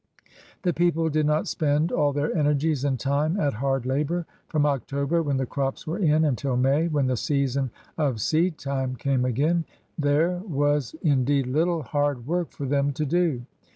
The people did not spend all their energies and time at hard labor. From October, when the crops were in, until May, when the season of seedtime came again, there was. 218 CRUSADERS OF NEW FRANCE indeed, little hard work for them to do.